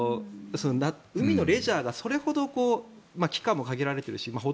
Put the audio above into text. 海のレジャーがそれほど期間も限られているしほ